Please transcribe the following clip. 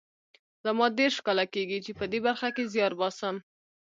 زما دېرش کاله کېږي چې په دې برخه کې زیار باسم